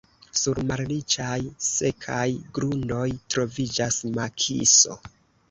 Sur malriĉaj, sekaj grundoj troviĝas makiso.